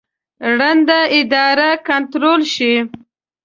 ړنده اراده کنټرول شي.